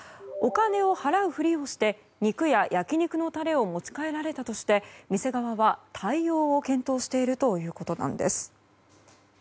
お金を払うふりをして肉や焼き肉のたれを持ち帰られたとして店側は対応を検討しているということです。